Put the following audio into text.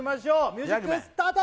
ミュージックスタート